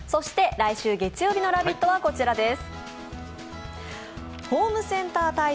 来週月曜日の「ラヴィット！」はこちらです。